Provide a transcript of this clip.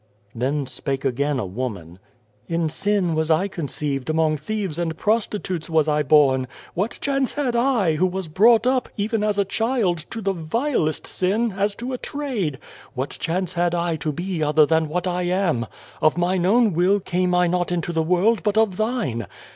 Then spake again a woman :" In sin was I conceived, among thieves and prostitutes was I born. What chance had I, who was brought up, even as a child, to the vilest sin, as to a trade what chance had I to be other than what I am ? Of mine own will came I not into the world, but of Thine.